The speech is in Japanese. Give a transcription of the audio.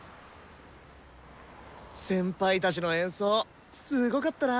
先輩たちの演奏すごかったな。